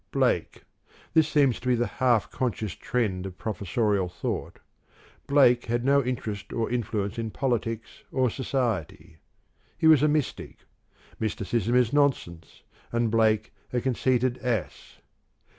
Blake this seems to be the half conscious trend of professorial thought Blake had no interest or influence in politics or society : he was a mystic ; mysticism is nonsense, and Blake a conceited ass.